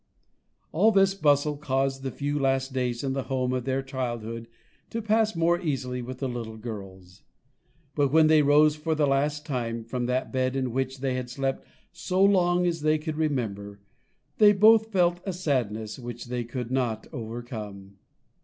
All this bustle caused the few last days in the home of their childhood to pass more easily with the little girls; but when they rose for the last time, from that bed in which they had slept so long as they could remember, they both felt a sadness which they could not overcome.